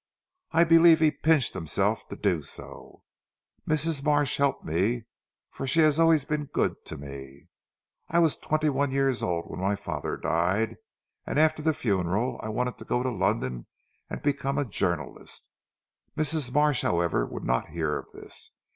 I believe he pinched himself to do so. Mrs. Marsh helped me; for she has always been good to me. I was twenty one years old when my father died, and after the funeral I wanted to go to London and become a journalist. Mrs. Marsh however would not hear of this.